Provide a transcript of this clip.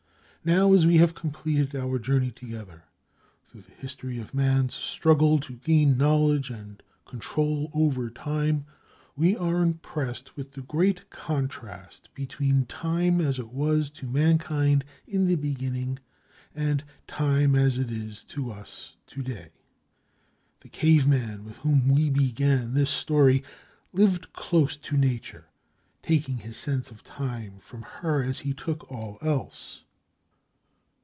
Now as we have completed our journey together through the history of man's struggle to gain knowledge and control over time, we are impressed with the great contrast between Time as it was to mankind in the beginning, and Time as it is to us to day. The caveman, with whom we began this story, lived close to nature, taking his sense of time from her as he took all else.